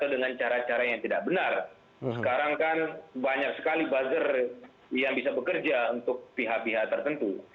sekarang kan banyak sekali buzzer yang bisa bekerja untuk pihak pihak tertentu